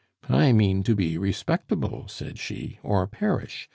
'I mean to be respectable,' said she, 'or perish!